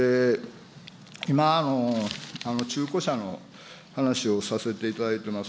今、中古車の話をさせていただいてます。